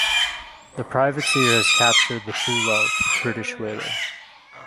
The privateer has captured the "Truelove", British whaler.